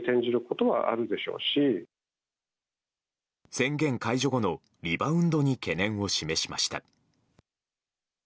宣言解除後のリバウンドに懸念を示しました。